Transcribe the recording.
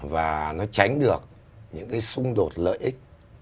và nó tránh được những cái xung đột lợi ích